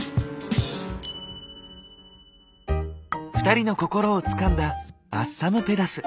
２人の心をつかんだアッサムペダス。